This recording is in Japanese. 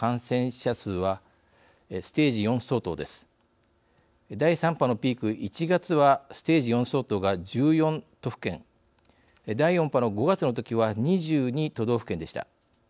１月はステージ４相当が１４都府県第４波の５月のときは２２都道府県でした。